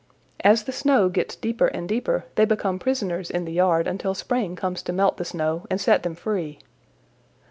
As the snow gets deeper and deeper they become prisoners in the yard until spring comes to melt the snow and set them free.